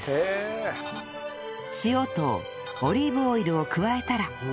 塩とオリーブオイルを加えたら